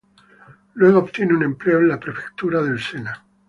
Luego obtiene un empleo en la prefectura del Sena.